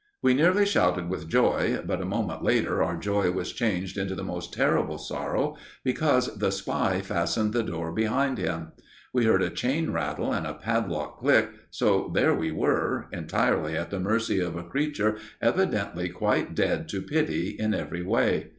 We nearly shouted with joy, but a moment later our joy was changed into the most terrible sorrow, because the spy fastened the door behind him. We heard a chain rattle and a padlock click, so there we were, entirely at the mercy of a creature evidently quite dead to pity in every way.